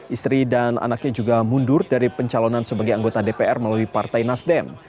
istri dan anaknya juga mundur dari pencalonan sebagai anggota dpr melalui partai nasdem